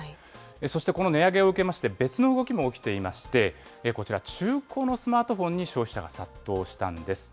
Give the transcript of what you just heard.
そしてこの値上げを受けまして、別の動きも起きていまして、こちら、中古のスマートフォンに消費者が殺到したんです。